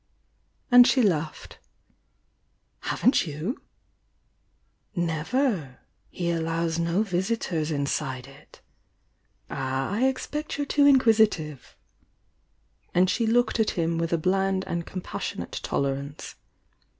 and she laughed. "Haven't you?" "Never! He allows no visitors inside it." "Ah, I expect you're too inquisitive!" and she looked at him with a bland and compassionate tol erance.